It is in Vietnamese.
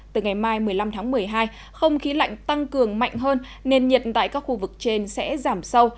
từ ngày mai một mươi năm tháng một mươi hai không khí lạnh tăng cường mạnh hơn nên nhiệt tại các khu vực trên sẽ giảm sâu